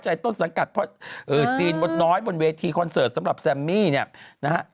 ต้นสังกัดเพราะซีนบนน้อยบนเวทีคอนเสิร์ตสำหรับแซมมี่เนี่ยนะฮะ